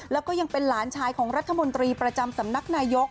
แล้วก็ยังเป็นหลานชายของรัฐมนตรีประจำสำนักนายก